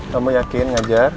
kamu yakin ngajar